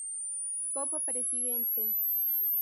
Copa Presidente